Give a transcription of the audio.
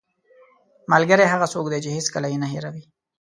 ملګری هغه څوک دی چې هېڅکله یې نه هېروې